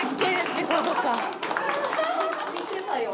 見てたよ。